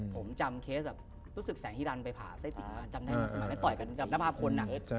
ผมจำเคสต์ก็รู้สึกแสงฮิรัณไปผ่าไส้ติ่งมาเช่นแรงหนึ่งสมัยถ้าถ้าถอยกันกับนักภาพคน